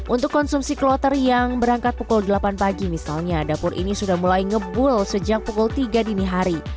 untuk konsumsi kloter yang berangkat pukul delapan pagi misalnya dapur ini sudah mulai ngebul sejak pukul tiga dini hari